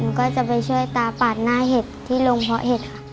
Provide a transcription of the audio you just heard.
ก็จะไปช่วยตาปาดหน้าเห็ดที่โรงเพาะเห็ดค่ะ